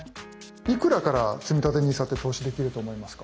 いくらからつみたてＮＩＳＡって投資できると思いますか？